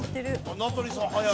名取さん早い。